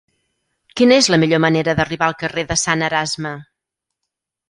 Quina és la millor manera d'arribar al carrer de Sant Erasme?